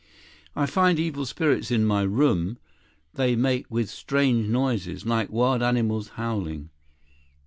"I find evil spirits in my room. They make with strange noises, like wild animals howling."